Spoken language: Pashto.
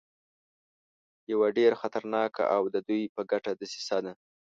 یوه ډېره خطرناکه او د دوی په ګټه دسیسه ده.